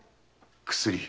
薬。